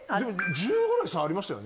１０ぐらい差ありましたよね